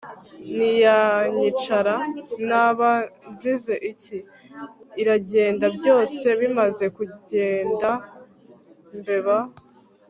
ntiyanyica ra? naba nzize iki? iragenda. byose bimaze kugenda ... mbeba